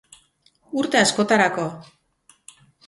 Urte askotarako!